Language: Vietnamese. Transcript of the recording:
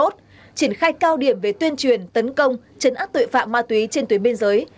triển khai cao điểm về tuyên truyền tấn công chấn áp tội phạm ma túy trên tuyến biên giới